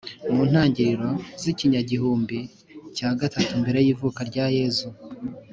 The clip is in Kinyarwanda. mu ntangiriro z ikinyagihumbi cya gatatu mbere y ivuka rya Yezu